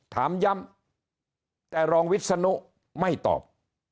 ถามย้ำแต่รองวิศนุไม่ตอบ